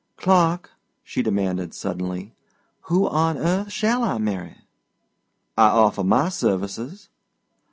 "Clark," she demanded suddenly, "who on earth shall I marry?" "I offer my services."